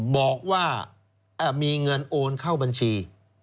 บอกว่ามีเงินโอนเข้าบัญชี